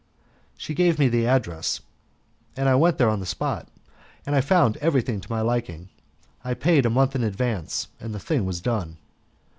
She gave me the address, and I went there on the spot, and having found everything to my liking I paid a month in advance and the thing was done.